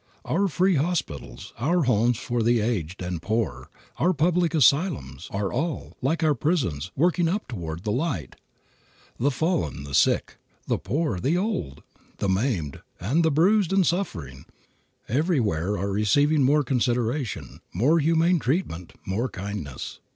Our free hospitals, our homes for the aged and poor, our public asylums, are all, like our prisons, working upward toward the light. The fallen, the sick, the poor, the old, the maimed, the bruised and suffering, everywhere are receiving more consideration, more humane treatment, more kindness.